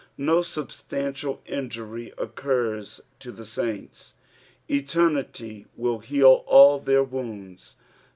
No substantial injury occurs to the saints. Eternity will heal all their wounds.